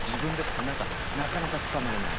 何かなかなかつかまれない。